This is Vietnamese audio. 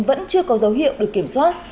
vẫn chưa có dấu hiệu được kiểm soát